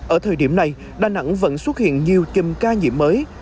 ở thời điểm này đà nẵng vẫn xuất hiện nhiều chùm ca nhiễm mới